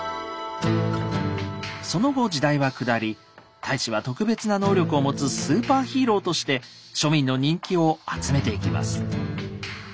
その後時代は下り太子は特別な能力を持つスーパーヒーローとして庶民の人気を集めていきます。